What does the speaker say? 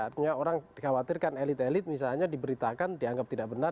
artinya orang dikhawatirkan elit elit misalnya diberitakan dianggap tidak benar